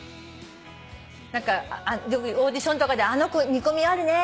何かオーディションとかであの子見込みあるね！